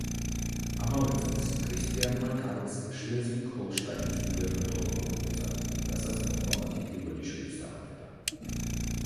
ამავე წელს, კრისტიანმა კარლს შლეზვიგ-ჰოლშტაინის გუბერნატორობა უბოძა, რასაც მოჰყვა მათი პირველი შვილის დაბადება.